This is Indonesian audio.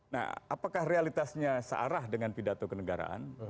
nah apakah realitasnya searah dengan pidato kenegaraan